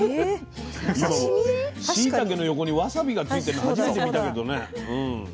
しいたけの横にわさびがついてるの初めて見たけどね。